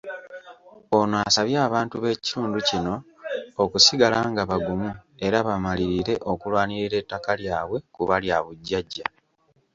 Ono asabye abantu b’ekitundu kino okusigala nga bagumu era bamalirire okulwanirira ettaka lyabwe kuba lya bujjajja.